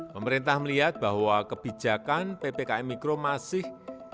pemerintah melihat bahwa kebijakan ppkm mikro masih